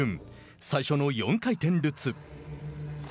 最初の４回転ルッツ。